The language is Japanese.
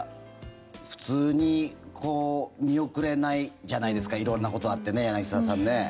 普通に見送れないじゃないですか色んなことがあって、柳澤さん。